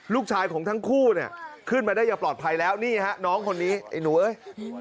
ลูกชายของทั้งคู่เนี่ยขึ้นมาได้อย่างปลอดภัยแล้วนี่ฮะน้องคนนี้ไอ้หนูเอ้ย